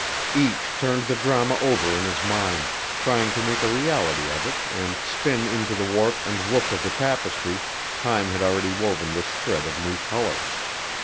Each turned the drama over in his mind, trying to make a reality of it and spin into the warp and woof of the tapestry time had already woven this thread of new color.